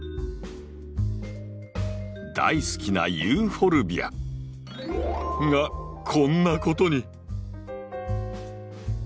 大好きなユーフォルビア。がこんなことに！